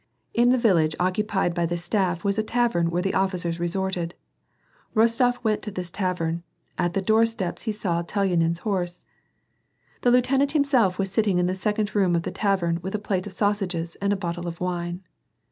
In the village occupied by the staff was a tavern where the officers resorted. Rostof went to this tavern ; at the doorsteps he saw Talyanin's horse. The lieutenant himself was sitting in the second room of the tavern with a plate of sausages and a bottle of wine.